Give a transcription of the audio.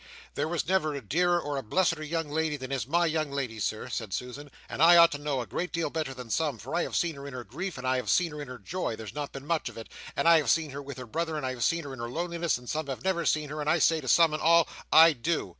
"There never was a dearer or a blesseder young lady than is my young lady, Sir," said Susan, "and I ought to know a great deal better than some for I have seen her in her grief and I have seen her in her joy (there's not been much of it) and I have seen her with her brother and I have seen her in her loneliness and some have never seen her, and I say to some and all—I do!"